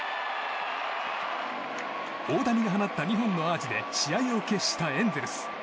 大谷が放った２本のアーチで試合を決したエンゼルス。